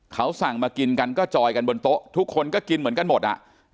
เขาสั่งมากินกันก็จอยกันบนโต๊ะทุกคนก็กินเหมือนกันหมดอ่ะ